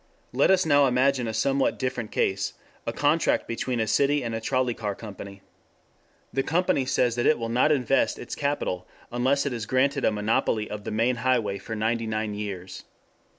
Let us now imagine a somewhat different case: a contract between a city and a trolley car company. The company says that it will not invest its capital unless it is granted a monopoly of the main highway for ninety nine years.